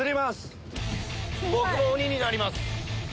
僕も鬼になります。